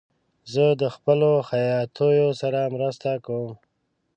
زه د خپلو خیاطیو سره مرسته کوم.